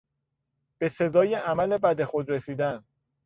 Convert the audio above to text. به سزای عمل بد خود رسیدن